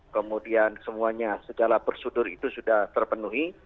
kemudian semuanya secara prosedur itu sudah terpenuhi